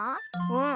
うん。